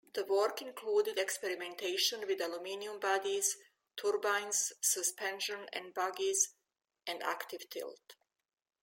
The work included experimentation with aluminium bodies, turbines, suspension and bogies, and active tilt.